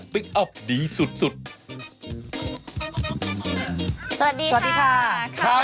สวัสดีค่ะ